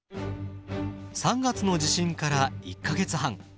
３月の地震から１か月半。